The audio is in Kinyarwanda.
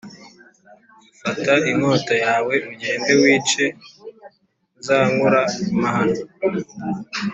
fata inkota yawe ugende wice zankora mahano